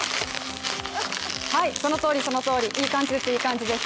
そのとおり、そのとおり、いい感じです、いい感じです。